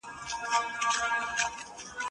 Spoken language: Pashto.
هېڅکله مه فکر کوئ چې یو کار نه شئ کولای.